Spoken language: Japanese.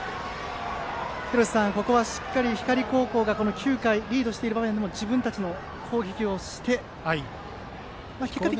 廣瀬さん、ここはしっかりと光高校がリードしている場面でも自分たちの攻撃をしました。